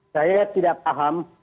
saya tidak paham